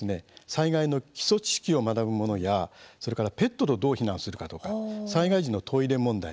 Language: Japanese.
災害の基礎知識を学ぶものやそれから、ペットとどう避難するかとか災害時のトイレ問題